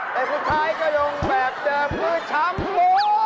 แต่สุดท้ายก็ลงแบบเจอมือช้ำโบ๊ะ